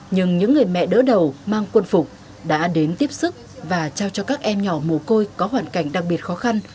nhưng những người mẹ đỡ đầu mang quân phục đã đến tiếp sức và trao cho các em nhỏ mồ côi có hoàn cảnh đặc biệt khó khăn